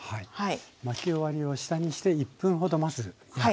巻き終わりを下にして１分ほどまず焼く。